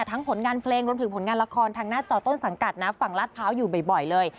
ผลงานเพลงรวมถึงผลงานละครทางหน้าจอต้นสังกัดนะฝั่งลาดพร้าวอยู่บ่อยเลย